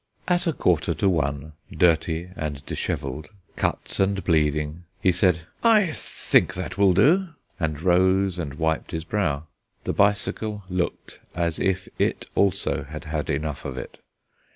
At a quarter to one, dirty and dishevelled, cut and breeding, he said: "I think that will do;" and rose and wiped his brow. The bicycle looked as if it also had had enough of it.